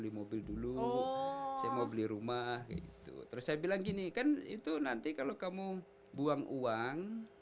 beli mobil dulu saya mau beli rumah gitu terus saya bilang gini kan itu nanti kalau kamu buang uang